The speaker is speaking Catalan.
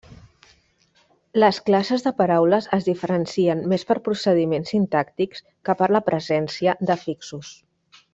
Les classes de paraules es diferencien més per procediments sintàctics que per la presència d'afixos.